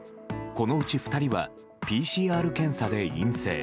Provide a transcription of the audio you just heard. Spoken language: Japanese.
このうち２人はＰＣＲ検査で陰性。